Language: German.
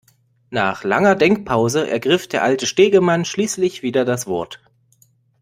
Nach langer Denkpause ergriff der alte Stegemann schließlich wieder das Wort.